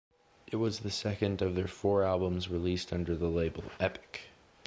It was the second of their four albums released under the label Epic.